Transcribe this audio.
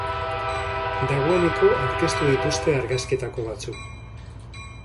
Dagoeneko aurkeztu dituzte argazkietako batzuk.